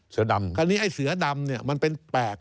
เสือดำคราวนี้ไอ้เสือดำเนี่ยมันเป็นแปลก